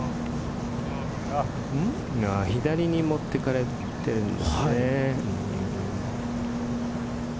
左に持っていかれているんですね。